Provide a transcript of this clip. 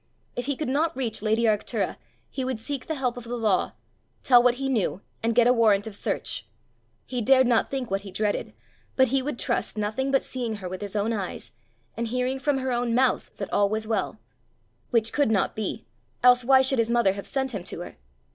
If he could not reach lady Arctura, he would seek the help of the law, tell what he knew, and get a warrant of search. He dared not think what he dreaded, but he would trust nothing but seeing her with his own eyes, and hearing from her own mouth that all was well which could not be, else why should his mother have sent him to her?